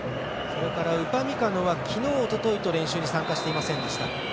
ウパミカノは昨日、おとといと練習に参加していませんでした。